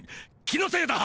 気のせいだ。